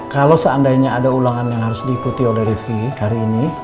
kalau seandainya ada ulangan yang harus diikuti oleh rifki hari ini